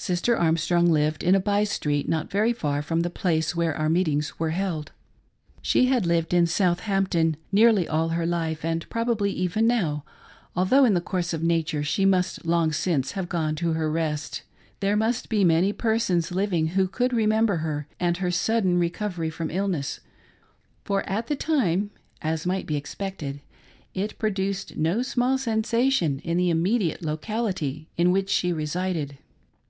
Sister Armstrong lived in a by street not very far from the ■place where our meetings were held. She had lived in South HOW A MIRACLE WAS WORKED. 7g ampton nearly all her life, and probably even now, although in the course of nature she must long since have gone to her rest, there must be many persons living who could remember her and her sudden recovery from illness ; for at the time, as might be expected, it produced no small sensation in the immediate locality in which she resided.